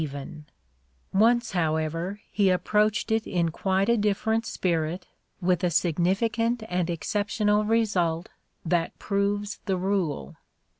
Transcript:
The Playboy in Letters 171 Once, however, he approached it in quite a different spirit, with a significant and exceptional result that proves the rule.